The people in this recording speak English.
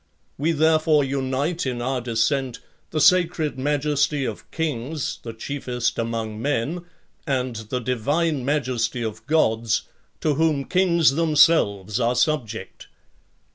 We therefore unite in our descent the sacred majesty of kings, the chiefest among men, and the divine majesty of Gods, to whom kings themselves are subject."